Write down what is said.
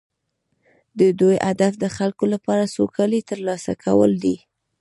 د دوی هدف د خلکو لپاره سوکالي ترلاسه کول دي